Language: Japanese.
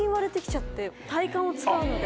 体幹を使うので。